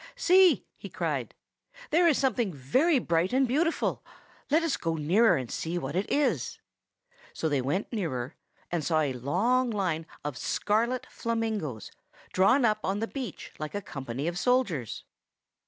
"See!" he cried, "there is something very bright and beautiful. Let us go nearer, and see what it is." So they went nearer, and saw a long line of scarlet flamingoes, drawn up on the beach like a company of soldiers.